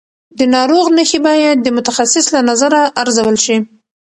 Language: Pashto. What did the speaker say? د ناروغ نښې باید د متخصص له نظره ارزول شي.